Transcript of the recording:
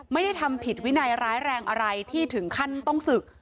ไม่ได้ทำผิดวินัยร้ายแรงอะไรที่ถึงขั้นต้องศึก